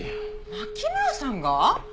牧村さん